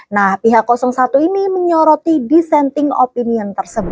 nah pihak satu ini menyoroti dissenting opinion tersebut